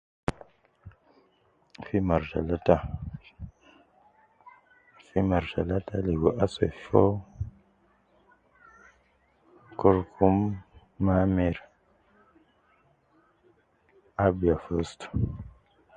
Fi mar talata, fi mar talata ligo aswee fi fooo, kurukum, me amer, abya fi ustu